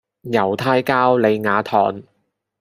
猶太教莉亞堂